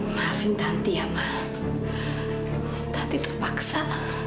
maafin tanti ama tanti terpaksa